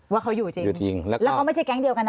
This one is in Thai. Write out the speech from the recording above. ว่าเขาอยู่จริงอยู่จริงแล้วเขาไม่ใช่แก๊งเดียวกันนะ